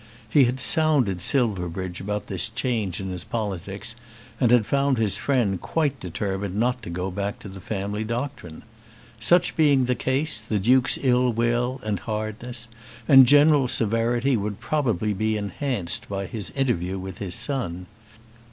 He had sounded Silverbridge about this change in his politics, and had found his friend quite determined not to go back to the family doctrine. Such being the case, the Duke's ill will and hardness and general severity would probably be enhanced by his interview with his son.